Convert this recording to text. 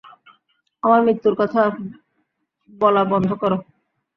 আমার মৃত্যুর কথা বলা বন্ধ করো।